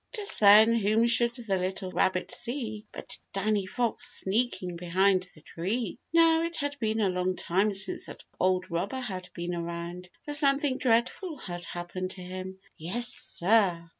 Just then whom should the little rabbit see but Danny Fox sneaking behind the trees. Now it had been a long time since that old robber had been around, for something dreadful had happened to him. Yes, sir!